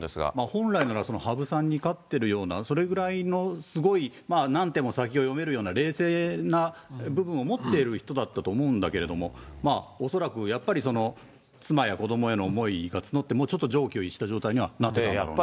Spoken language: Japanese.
本来なら羽生さんに勝ってるような、それぐらいのすごい何手も先を読めるような冷静な部分を持っている人だったと思うんだけれども、恐らくやっぱり妻や子どもへの思いが募って、もう、ちょっと常軌を逸した状態になってたんだろう。